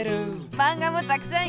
マンガもたくさんよめるぜ！